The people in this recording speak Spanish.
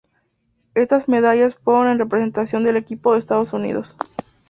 Estas medallas fueron en representación del equipo de Estados Unidos.